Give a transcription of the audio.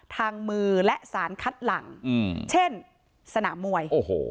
ทางมือและสารคัดหลังเช่นสนามมวย